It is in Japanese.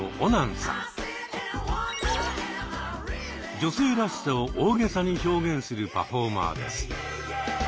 女性らしさを大げさに表現するパフォーマーです。